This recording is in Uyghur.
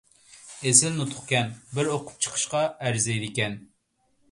ئېسىل نۇتۇقكەن، بىر ئوقۇپ چىقىشقا ئەرزىيدىكەن.